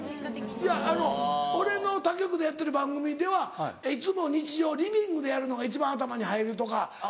いやあの俺の他局でやってる番組ではいつも日常リビングでやるのが一番頭に入るとか。